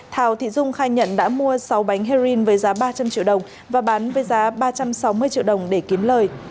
thảo thị dung khai nhận đã mua sáu bánh heroin với giá ba trăm linh triệu đồng và bán với giá ba trăm sáu mươi triệu đồng để kiếm lời